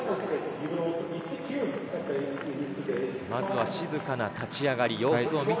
まずは静かな立ち上がり。